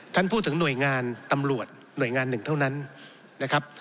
ท่านพูดถึงหน่วยงานตำรวจหน่วยงานหนึ่งเท่านั้นนะครับ